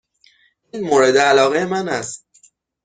این مورد علاقه من است.